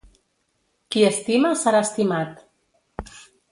Qui estima serà estimat.